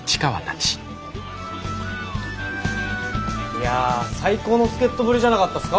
いや最高の助っ人ぶりじゃなかったっすか